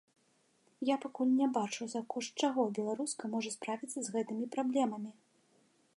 Я пакуль не бачу, за кошт чаго беларуска можа справіцца з гэтымі праблемамі.